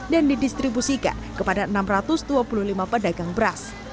dan didistribusikan kepada enam ratus dua puluh lima pedagang beras